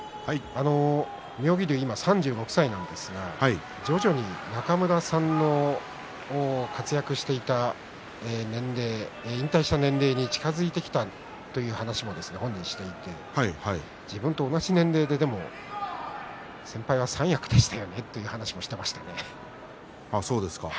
妙義龍は今３６歳なんですが徐々に中村さんの活躍していた、引退した年齢に近づいてきたという話を本人はしていて自分と同じ年齢で先輩は三役でしたよねという話をしていました。